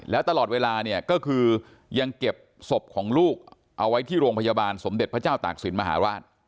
แล้วตลอดเวลาเนี่ยก็คือยังเก็บศพของลูกเอาไว้ที่โรงพยาบาลสมเด็จพระเจ้าตากศิลปมหาราช